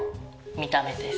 見た目です。